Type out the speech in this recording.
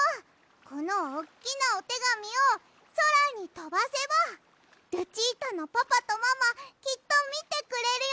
このおっきなおてがみをそらにとばせばルチータのパパとママきっとみてくれるよね。